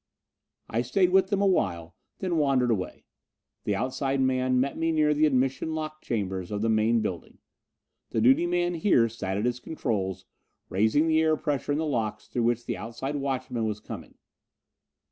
I stayed with them awhile, then wandered away. The outside man met me near the admission lock chambers of the main building. The duty man here sat at his controls, raising the air pressure in the locks through which the outside watchman was coming.